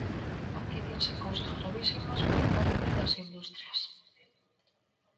Aquí dinse cousas gravísimas por parte das industrias.